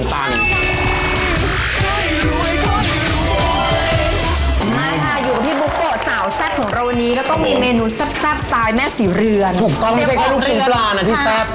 ถูกต้องไม่ใช่เพียงลูกชิ้นปลานะ